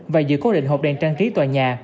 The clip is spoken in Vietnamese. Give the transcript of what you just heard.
và giữ cố định hộp đèn trang trí tòa nhà